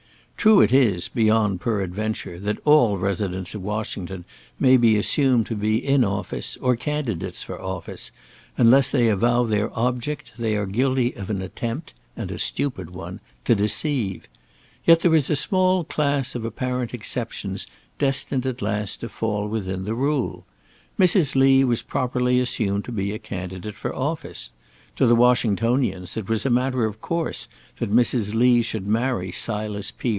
True it is, beyond peradventure, that all residents of Washington may be assumed to be in office or candidates for office; unless they avow their object, they are guilty of an attempt and a stupid one to deceive; yet there is a small class of apparent exceptions destined at last to fall within the rule. Mrs. Lee was properly assumed to be a candidate for office. To the Washingtonians it was a matter of course that Mrs. Lee should marry Silas P.